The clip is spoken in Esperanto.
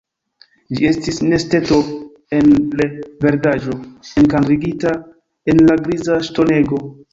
Ĝi estis nesteto el verdaĵo, enkadrigita en la griza ŝtonego.